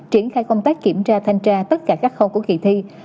triển khai công tác kiểm tra thanh tra tất cả các khâu của kỳ thi